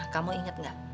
kamu ingat gak